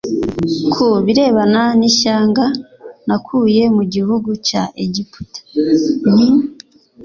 ku birebana n ishyanga nakuye mu gihugu cya Egiputa n nti